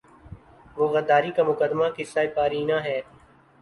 وہ غداری کا مقدمہ قصۂ پارینہ ہے۔